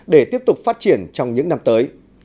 để tiếp tục phát triển trong những năm tới